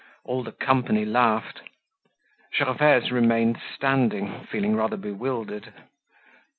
All the company laughed. Gervaise remained standing, feeling rather bewildered.